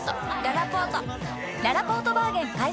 ららぽーとバーゲン開催！